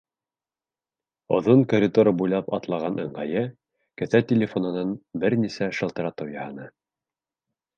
Оҙон коридор буйлап атлаған ыңғайы кеҫә телефонынан бер-нисә шылтыратыу яһаны.